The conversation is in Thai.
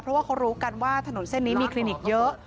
เพราะว่าเขารู้กันว่าถนนเส้นนี้มีคลินิกเยอะ